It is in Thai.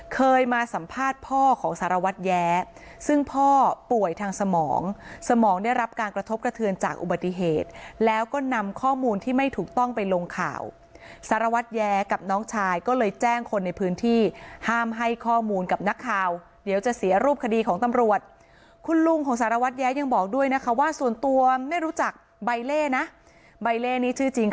เคยมาสัมภาษณ์พ่อของสารวัตรแย้ซึ่งพ่อป่วยทางสมองสมองได้รับการกระทบกระเทือนจากอุบัติเหตุแล้วก็นำข้อมูลที่ไม่ถูกต้องไปลงข่าวสารวัตรแย้กับน้องชายก็เลยแจ้งคนในพื้นที่ห้ามให้ข้อมูลกับนักข่าวเดี๋ยวจะเสียรูปคดีของตำรวจคุณลุงของสารวัตรแย้ยังบอกด้วยนะคะว่าส่วนตัวไม่รู้จักใบเล่นะใบเล่นี้ชื่อจริง